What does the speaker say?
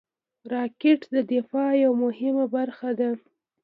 راکټ د دفاع یوه مهمه برخه ده